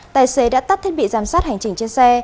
tài xế đã tắt thiết bị giám sát hành trình trên xe